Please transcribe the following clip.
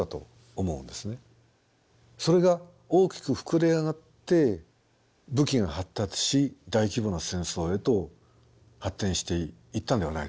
それが大きく膨れ上がって武器が発達し大規模な戦争へと発展していったんではないでしょうか。